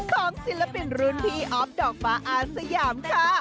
ของศิลปินรุนที่ออฟดอกเบาะอาซยามค่ะ